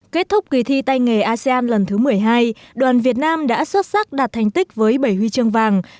kết thúc kỳ thi tay nghề asean lần thứ một mươi hai đoàn việt nam đã xuất sắc đạt thành tích với bảy huy chương vàng